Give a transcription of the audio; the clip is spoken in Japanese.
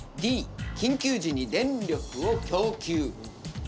Ｄ「緊急時に電力を供給」。